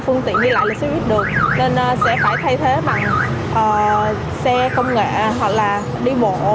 phương tiện đi lại xe buýt được nên sẽ phải thay thế bằng xe công nghệ hoặc là đi bộ